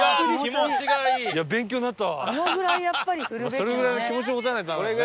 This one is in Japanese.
それぐらいの気持ちを持たないとダメなんだね。